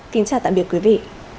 kính chào tạm biệt quý vị